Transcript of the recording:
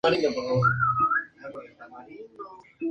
Falleció en Cirene.